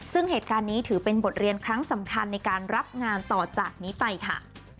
ซึ่งเหตุการณ์นี้ถือเป็นบทเรียนครั้งสำคัญในการรับงานต่อจากนี้ไปค่ะ